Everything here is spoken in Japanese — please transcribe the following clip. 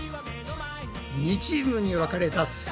２チームに分かれたす